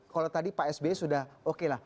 kalau tadi pak sby sudah oke lah